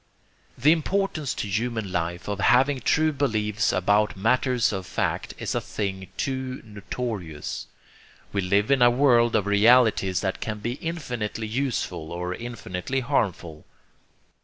The importance to human life of having true beliefs about matters of fact is a thing too notorious. We live in a world of realities that can be infinitely useful or infinitely harmful.